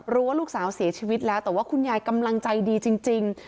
รู้ว่าลูกสาวเสียชีวิตแล้วแต่ว่าคุณยายกำลังใจดีจริง